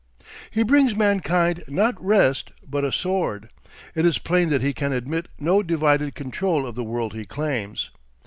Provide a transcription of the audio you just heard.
He brings mankind not rest but a sword. It is plain that he can admit no divided control of the world he claims.